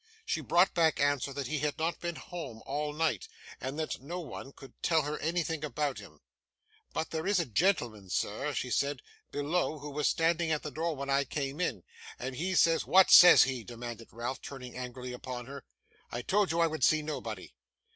She brought back answer that he had not been home all night, and that no one could tell her anything about him. 'But there is a gentleman, sir,' she said, 'below, who was standing at the door when I came in, and he says ' 'What says he?' demanded Ralph, turning angrily upon her. 'I told you I would see nobody.